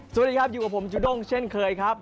สวัสดีครับอยู่กับผมจุด้งเช่นเคยครับ